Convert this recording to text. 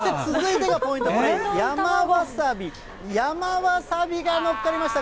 そして続いてがポイント、これ、山わさび、山わさびがのっかりました。